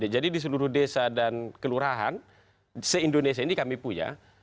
jadi di seluruh desa dan kelurahan se indonesia ini kami punya